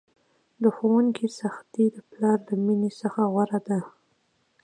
د ښوونکي سختي د پلار له میني څخه غوره ده!